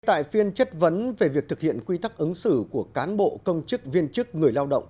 tại phiên chất vấn về việc thực hiện quy tắc ứng xử của cán bộ công chức viên chức người lao động